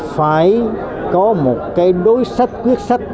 phải có một cái đối sách quyết sách